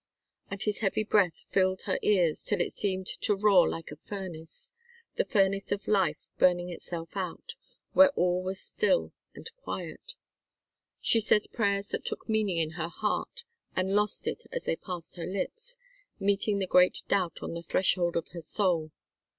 And his heavy breath filled her ears till it seemed to roar like a furnace the furnace of life burning itself out, where all was still and white. She said prayers that took meaning in her heart and lost it as they passed her lips, meeting the great doubt on the threshold of her soul.